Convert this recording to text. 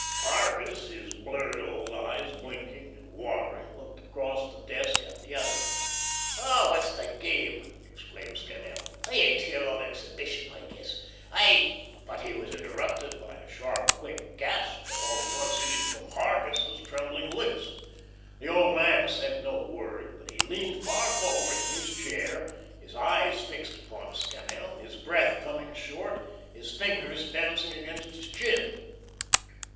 Hargus, his bleared old eyes blinking and watering, looked across the desk at the other. "Oh, what's the game?" exclaimed Scannel. "I ain't here on exhibition, I guess. I " But he was interrupted by a sharp, quick gasp that all at once issued from Hargus's trembling lips. The old man said no word, but he leaned far forward in his chair, his eyes fixed upon Scannel, his breath coming short, his fingers dancing against his chin.